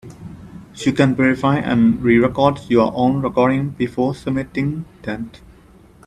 You can verify and re-record your own recordings before submitting them.